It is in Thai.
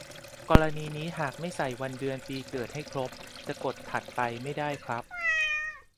กรณีนี้หากไม่ใส่วันเดือนปีเกิดให้ครบ จะกด "ถัดไป" ไม่ได้ครับ